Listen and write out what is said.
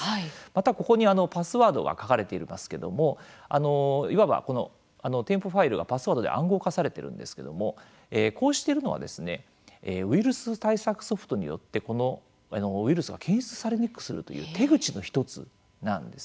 またここにパスワードが書かれていますけどもいわば添付ファイルがパスワードで暗号化されてるんですけどもこうしているのはウイルス対策ソフトによってこのウイルスが検出されにくくするという手口の一つなんですね。